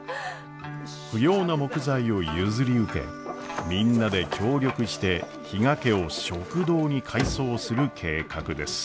不要な木材を譲り受けみんなで協力して比嘉家を食堂に改装する計画です。